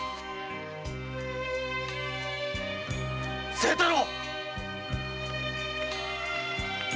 ・清太郎！